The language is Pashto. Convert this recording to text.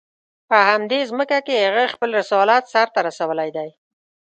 په همدې ځمکه کې هغه خپل رسالت سر ته رسولی دی.